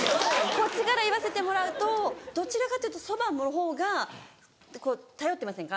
こっちから言わせてもらうとどちらかというとそばの方が頼ってません